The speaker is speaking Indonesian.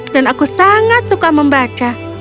dan aku sangat suka membaca